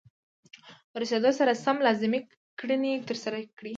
رسیدو سره سم لازمې کړنې ترسره کړئ.